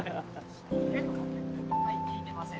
はい聞いてません